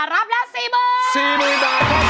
รับแล้ว๔หมื่นบาท